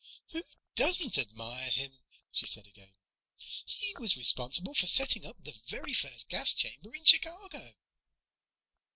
"Who doesn't admire him?" she said again. "He was responsible for setting up the very first gas chamber in Chicago."